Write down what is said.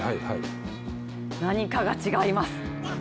何かが違います。